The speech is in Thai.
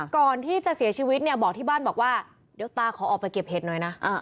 ก่อนที่จะเสียชีวิตเนี่ยบอกที่บ้านบอกว่าเดี๋ยวตาขอออกไปเก็บเห็ดหน่อยนะ